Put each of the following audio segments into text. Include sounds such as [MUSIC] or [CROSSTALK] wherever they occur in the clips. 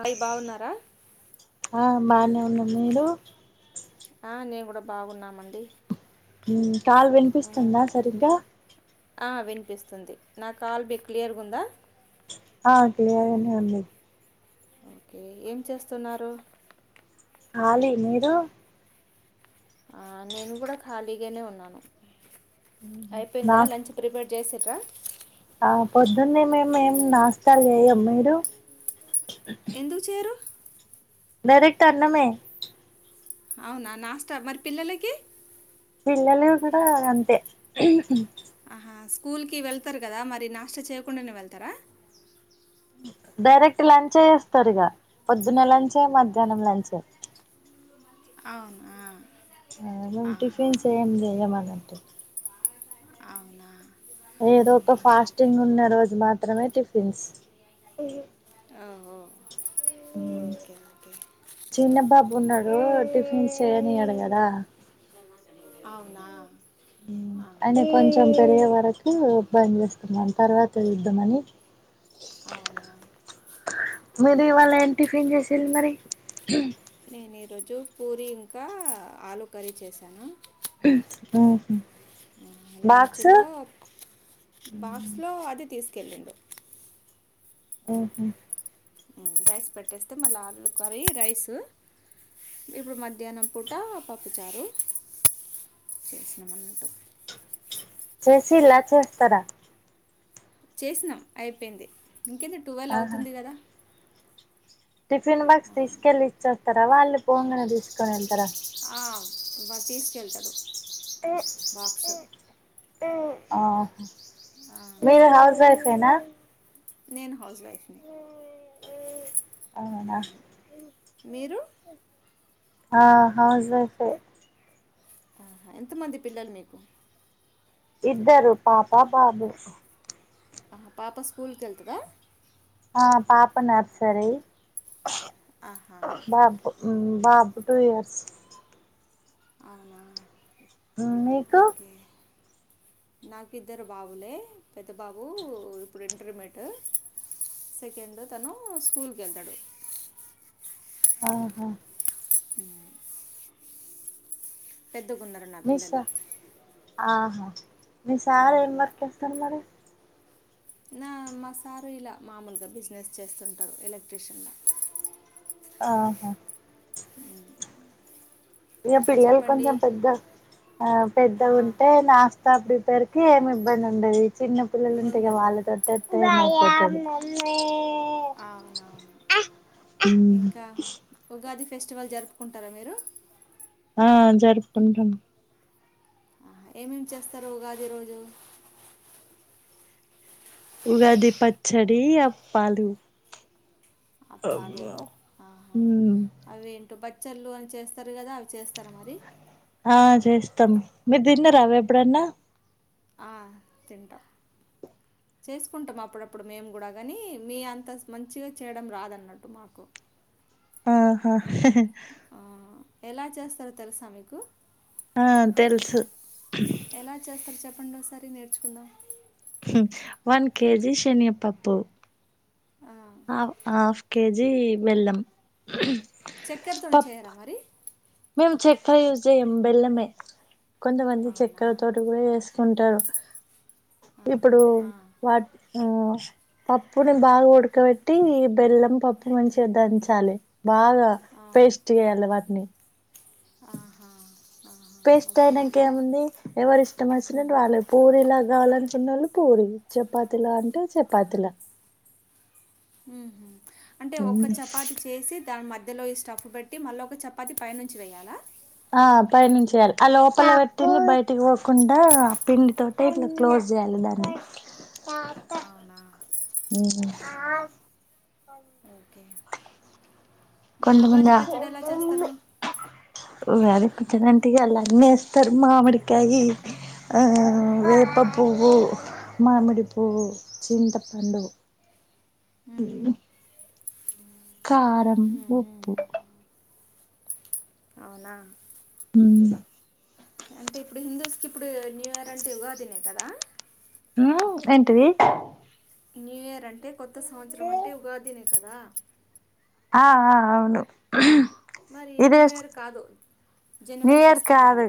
అయ్ బాగున్నారా ఆ బానే ఉన్నాం మీరు ఆ నేన్ గూడా బాగున్నామండి ఉమ్ కాల్ వినిపిస్తుందా. సరిగ్గా ఆ వినిపిస్తుంది. నా కాల్ మీక్ క్లియర్గా ఉందా? ఆ క్లియర్ గానే ఉంది. ఓకే ఏం చేస్తున్నారు? ఖాళీ. మీరు? ఆ నేను గూడా ఖాళీగానే ఉన్నాను. అయిపోయిందా నాస్ లంచ్ ప్రిపేర్ చేసిర్రా ఆ పొద్దున్నే మేము ఏం నాస్తాల్ చెయ్యం. మీరు? ఎందుకు చేయ్రూ డైరెక్ట్ అన్నమే అవునా నాస్త మరి పిల్లలకి? పిల్లలు గూడా అంతే? ఆహా స్కూల్కి వెళ్తారు కదా. మరి నాష్ట చేయకుండానే వెళ్తారా? డైరెక్ట్ లంచే చేస్తారు ఇగ. పొద్దున్న లంచే, మధ్యాహ్నం లంచే. అవునా ఆ మేం ఆహా టిఫిన్ ఏం చేయమన్నట్టు. అవునా మ్మ్. త్రమే టిఫిన్స్ ఆఓ ఓకే ఓకే చిన్న బాబు ఉన్నాడు. టిఫిన్స్ చేయనీయడు గదా. అవునా ఉమ్ అయనే ఆహా. కొంచెం పెరిగే వరకు. బంద్ చేస్తున్నాను. తర్వాత్ చేద్దమని అవునా మీరు ఉమ్. ఇవాళ ఏం టిఫిన్ చేసిళ్ళు మరి? నేను ఈరోజు పూరి ఇంకా, ఆలుూ కర్రీ చేశాను. [UNINTELLIGIBLE] బాక్స్ లంచ్లో బాక్స్లో అది తీసుకెళ్ళిండు. ఓహో ఉమ్ రైస్ పెట్టేస్తే. మళ్ళా ఆలు కర్రీ, రైసు. ఇప్పుడు మధ్యాహ్నం పూట పప్పుచారు. చేసినమన్నట్టు చేస్సిలా. చేస్తారా? చేసినాం అయిపేయింది. ఇంకేంది టువెల్ ఆహా అవుతుంది గదా. టిఫిన్ బాక్స్ తీసుకెళ్ళి ఇచ్చోస్తారా? వాళ్ళు పోవంగనే తీసుకని వెళ్తారా? వాల్ తీసుకెళ్తారు. ఆ మీరు హౌస్ వయిఫెనా నేన్ హౌస్ వైఫ్ని అవునా మీరు ఆ హౌస్ వైఫె ఆహా ఎంతమంది పిల్లల్ నీకు? ఇద్దరు పాప, బాబు. ఆహా పాప స్కూల్కి వెళ్తదా? ఆ పాప నర్సరి ఆహా బాబ్ టూ ఇయర్స్ అవునా ఉమ్ మీకు నాకిద్దరు బాబులే. పెద్ద బాబు ఇప్పుడు ఇంటర్మేట్. సెకండ్ తను స్కూల్కి కేళ్తాడు. ఆహా ఉ నా నిష పిల్లలు ఆహ మీ సార్ ఏం వర్క్ చేస్తున్నారు. నా మా సారు ఇలా మామూల్గా బిజినెస్ చేస్తుంటారు ఎలక్ట్ర్రిషియన్లో ఆహ ఉహు ఇక పిల్లలు కొంచం పెద్ద ఆ ఆ, పెద్దగా ఉంటే నాష్టా ప్రిపేర్ ఏమి ఇబ్బంది ఉండది చిన్న పిల్లలుంటేగా ఉండదు వాళ్ళతో ఆహా ఇంక ఉగాది ఫెస్టివల్ జరుపుకుంటార మీరు ఆ జరుపుకుంటాం ఏమే మ్ చేస్తార్ ఉగాది రోజు ఉగాదిీ పచ్చడి అప్పాలు అప్పాలు ఆహా మ్ అవి ఏంటో బచ్చళ్లుు అని చేస్తారు కదా అ చేస్తార మరి స్తం మీర్ దిన్న రా ఎప్పుడన్నా ఆ తింట చేసుకుంటాం అప్పుడప్పుడు మేము కూడా గానీ మీ అంతా మంచిగా చేయడం రాదన్నట్టు మాకు ఆహ ఆ, ఎలా చేస్తారో తెలుసా మీకు ఆ తెల్సు చెప్పుండి ఒకసారి నేర్చుకుందాం వన్ కేెజి శనియపప్పు ఆ, అఫ్ ఆఫ్ కేజీ బెల్లం చెక్కెరతోని చేయరా మరి మేమ్ చెక్కర యూస్ చేయం బెల్లమె కొంత మంది అవునా చక్కర తోటు కూడా స్తుంటరు ఇప్పుడు ఆ, ఆ, వాట్ ఆ పప్పుని బాగ ఉడకబెట్టి బెల్లం పప్పు మంచిగా దంచాలె బాగా పేస్ట్ చేయాలె వాటిని ఆహా ఆహా, పేస్ట్ ఓకే అయినాక ఏముంది ఎవరి ఇష్టం వచ్చినట్టు వాళ్ళు పూరిలాగా కావాలనుకున్నళ్ళు పూరి చపాతీల అంటే చపాతీల ఉ అంటే ఒక్క చపాతి చేసి దాని మధ్య మధ్యలో ఈ స్టఫ్ పెట్టి మళ్ళీ ఒక చపాతి పై నుంచి వెయాలా ఆ పైనుంచి వెయాలె అ లోపల పెట్టింది బయటికి పోకుండా పిండి తోటి ఇట్లా క్లోజ్ జల్లర అవున ఊహు ఓకే మరి కొంతమందె ఉగాది ఆ పచ్చడి ఎలా చేస్తారు [UNINTELLIGIBLE] అలా అన్నేస్తారు మామిడికాయి ఉమ్. వేప పువ్వు మామిడి పువ్వు చింతపండు హు కారం ఉప్పు అవున హు అంటే ఇప్పుడు హిందూస్కి ఇప్పుడు న్యూ ఇయర్ అంటే ఉగాదినే కదా ఉ ఊ ఏంటిది న్యూయర్ అంటే కొత్త సంవత్సరం అంటే ఉగాదినే కదా ఆ ఆ అవున్ మరి న్యూయర్ కాదు న్యూ జనవరి ఫస్టు కాదు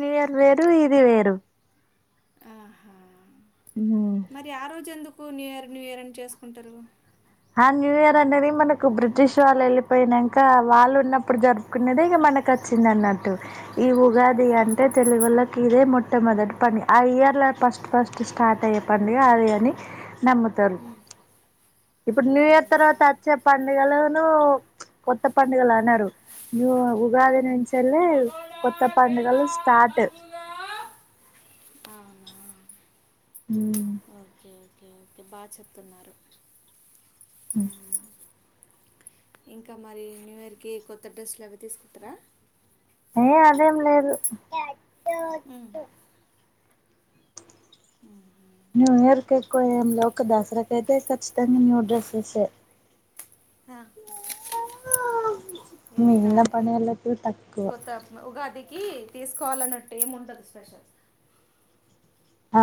నుయర్ వేదు ఇది వేరు ఆహా ఉమ్ మరి ఆ రోజు ఎందుక్ కు న్యూయర్ న్యూయర్ అని చేస్ కుంటారు ఆ న్యూయర్ అనది మనకు బ్రిటిష్ వాళ్ళు వెళ్ళిపోయినంక వాళ్ళు ఉన్నప్పుడు జరుపుకునేది ఇక మనక చ్ చ్చిందన్నట్టు ఈ ఉగాదిగ అంటే తెలుగోల కి ఇదే మోట్ ట్టమ్ మొదట్ పనీ ఆ ఇయర్ల ఫస్ట్ ఫస్ట్ స్టార్ట్ అయ్యే పండుగ అది అని నమ్ముతరు ఇప్పుడ్ న్యూయర్ తర్ వత అవునా అచ్చే పండుగ ఎలా నో [UNINTELLIGIBLE] చ్ కొత్త పండగల్ అనరు న్యూ వ ఉగాది నుంచలి సపోటా కొత్త పండుగలు స్టార్ట్ ఆ హ్మ్ ఈ బా చెప్ తున్నారు ఇంకా మరి న్యూయర్ కి కొత్త డ్రస్సులు అవి తీసుకుంటర ఏ అదేం లేదు ఆ న్యూయర్ కేక్కువ ఏమ్ లెవ్ ఒక దస్ రాకేతే ఖచ్ తం హ్మ్ న్యూ డ్రసేసే ఆ ఇంకా మీన్న పనెలక్ తక్కువ కి తీసుకోవాలన్నట్టు ఏం ఉండద్ స్పెషల్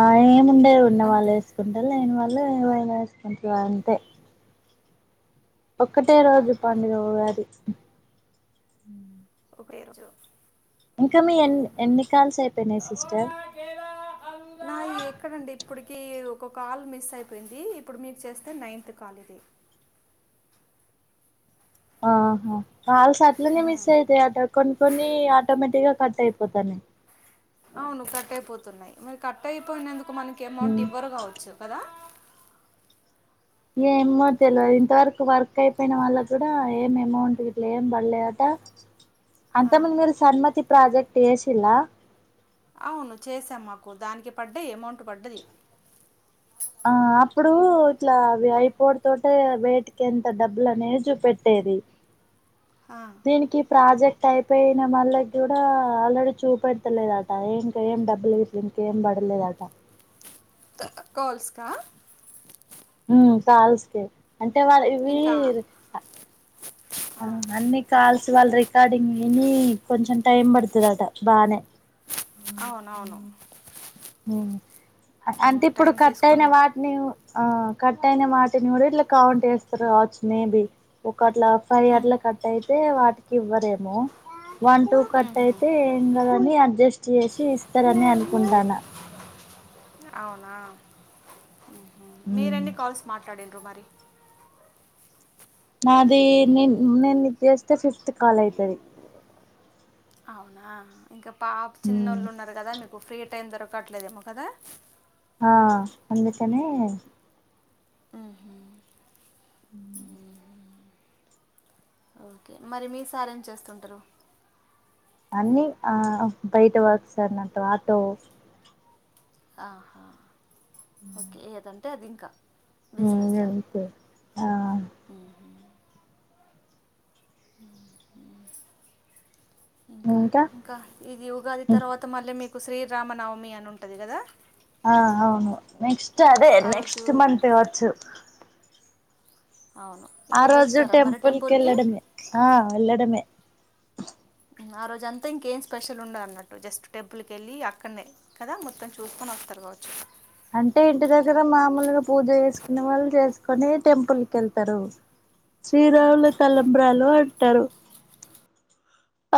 ఆ ఏముండదు అంతే ఉన్నవాళ్ళు ఎస్ కుంటారు లేని వాళ్ళు ఏవైనా ఎస్ కుంట్రూ అంతే ఒక్కటే రోజు ఆహా పండ్ గ ఉగాది ఒకే రోజు ఇంకా మీ ఎన్ అవునా ఎన్ని కాల్స్ అయిపెయినాయి సిస్టర్ సపోటా ఇప్ డుకి ఒకొకొ కాల్ మిస్ అయిపోయింది ఇప్పుడు మీర్ చేస్తే నైత్ కాల్ ఇది ఆఆ హా కాల్స్ అట్లనే ఉమ్, మిస్ అయితయి అట కొన్ కొన్ని ఆటోమేటిగ కటాయి పోతనయి అవున్ కట్ అయిపోతున్నాయి మరి కట్ అయిపోయినందుకు మనకి అమౌంట్ ఉమ్, ఇవ్వరు కావచ్చు కదా ఏమో తెల్ వాద్ ఇంతవరకు వర్క్ అయిపోయిన వాళ్ళకు కూడా ఏం అమౌంట్ గీట్లా ఏం బల్ లేదట ఆ అంతర్ మున్ [UNINTELLIGIBLE] మీర్ సమ్మతి ప్రాజెక్ట్ ఏశిల్ ల అవును చేసాం మాకు దానికి పడ్డయి అమౌంట్ పడ్డది ఆ అప్పుడు ఇట్లా అవి అయిపోడ్ తోటే వేటికి ఎంత డబ్బులు అనే చూపెట్టేది ఇ దీనికి ప్రాజెక్ట్ టయిపెయిన మళ్ళక్ కూడా ఆల్ రడీ చూపెడతలేదట ఇంక్ ఏం డబ్బులెస్ ల్ ఇంకేం పడ లేదట కాల్స్ కా ఉమ్ కాల్స్ కి అంటే వాళ్ళ ఇవి ఇంకా ఎన్ని కొంచమ్ టైం పడతదట బానే అవునవును హుమ్ అం అంటే ఇప్పుడు టైం కట్ అయిన తీసుకున్నా వాట్ నీ ఊ ఆ కట్ అయిన వాటిని కూడా ఇట్లా కౌంట్ ఎస్తుర్ కావచ్చు మేబి కట్లా ఫై అట్ల కట్ అయితే వాటికి ఇవ్వరేమో వన్ టూ కట్ అయితే ఏం కదని అడ్ జస్ట్ చేసి ఇస్తారని అనుకుంటాన అవునా హుమ్ ఉమ్ మీరేన్ని కాల్స్ మాట్లాడీల్ రుమరి నాది నిన్ నేన్ నీక్ జేస్తే ఫిఫ్త్ కాల్ అయితది అవునా ఇంకా పాప ఉమ్ చిన్నోళ్ళు ఉన్నారు కదా మీకు ఫ్రీ టైం దొరకట్లేదేమో కదా ఆ అందుకనే ఆహా [INAUDIBLE] ఓకే మరి మీ సార్ ఏం చేస్తుంటరు అన్ని ఆ బయట వర్క్స్ అన్ని ఆటో ఆహా ఓకే ఏదంటే అది ఇంకా ఊ బిజినెస్లా అంతే ఆ [INAUDIBLE] ఇంకా ఇంకా ఇది ఉగాది తర్వాత మళ్ళీ మీకు శ్రీరామనవమి అని ఉంటది కదా ఆ అవును నెక్స్ట్ అదే ఆ రోజు నెక్స్ట్ మంత్ వచ్చు అవును ఆ ఇక రోజు వెళ్తారా మరి టెంపుల్ కి టెంపుల్కి వెళ్ళడమే ఆ వెళ్ళడమే ఆ రోజంతా ఇంకేం స్పెషల్ ఉండదు అన్నట్టు జస్ట్ టెంపుల్ కి వెళ్ళి అక్కడనే కదా మొత్తం చూసుకొని వస్తారు కావచ్చు అంటే ఇంటి దగ్గర మామూలుగా పూజ చేసుకునే వాళ్ళు చేసుకొని టెంపుల్ కి వెళ్తారు [INAUDIBLE] శ్రీరాముల తలంబ్రాలు అంటారు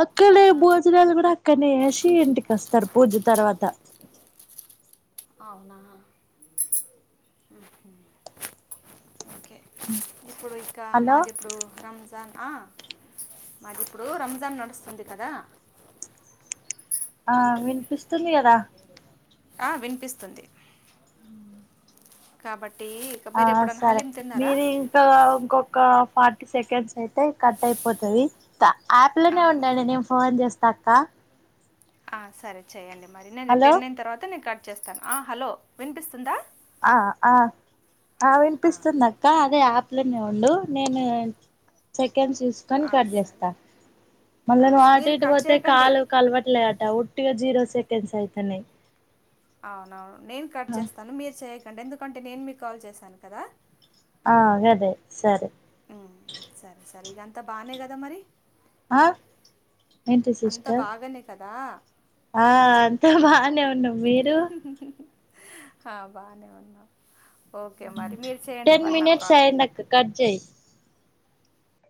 అక్కడే ఆ, భోజనాలు కూడా అక్కనే చేసి ఇంటికి వస్తాం పూజలు తర్వాత అవునా ఓకే ఇప్పుడు ఇంకా హలో మాది ఇప్పుడు రంజాన్ ఆ మాది ఇప్పుడు రంజాన్ నడుస్తుంది కదా ఆ అంత వినిపిస్తుంది కదా ఆ వినిపిస్తుంది హ కాబట్టి ఇక ఆ మీరు ఎప్పుడైనా సరే హలీం తిన్నారా మీరు ఇంకా ఇంకొక ప సెకండ్స్ అయితే కట్ అయిపోతుది యాప్ లోనే అవును ఉండండి నేను ఫోన్ చేస్త తకా ఆ సరే చెయ్యండి మరి నేను హలో టెన్ అయినా తర్వాత నేను కట్ చేస్తాను హలో వినిపిస్తుందా ఆ ఆ ఆ వినిపిస్తుందిక్క అదే ఆప్ ఆప్ లోనే ఉండు నేను చె టైమ్ చూసుకొని ఆ, కట్ సరే చేస్తారు ఆ, మళ్ళా స- మీరు అటిటు కట్ పోతే చేయకండి కాలు కలవట్లే డౌట్ గా జీరో సెకెండ్స్ అయితున్నయ్ అవునవును నేను కట్ చేస్తాను మీరు చేయకండి ఎందుకంటే నేను మీకు కాల్ చేశాను కదా ఆ అదే అండి సరే ఉమ్, సరే సరే ఇకంత బాగానే కదా మరి ఆ ఏంటి సిస్టర్ ద ఆ అంతా బానే ఉన్నాం మీరు ఆ బానే ఉన్నాం ఓకే మరి మీరు చేయండి టెన్ మరి నాకు మినట్స్ కాల్ అయినాక కట్ చేయ్